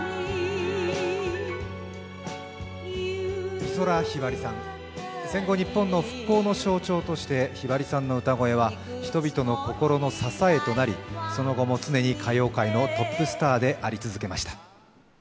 美空ひばりさん、戦後日本の復興の象徴としてひばりさんの歌声は人々の心の支えとなり、その後も常に歌謡界のトップスターであり続けました。